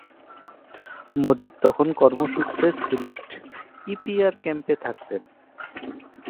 মজিদ তখন কর্মসূত্রে সিলেট ইপিআর ক্যাম্পে থাকতেন।